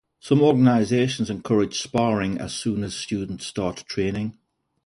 Some organizations encourage sparring as soon as students start training.